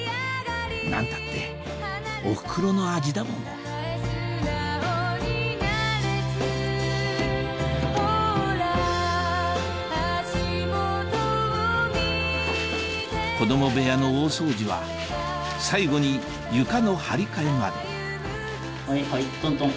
何たっておふくろの味だもの子供部屋の大掃除は最後に床の張り替えまではいはいトントン。